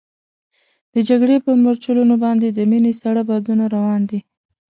د جګړې پر مورچلونو باندې د مني ساړه بادونه روان دي.